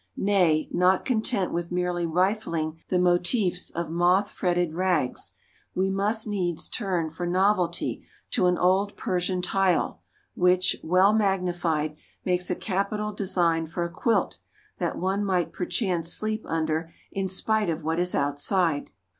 Nay, not content with merely rifling the motifs of moth fretted rags, we must needs turn for novelty to an old Persian tile which, well magnified, makes a capital design for a quilt that one might perchance sleep under in spite of what is outside!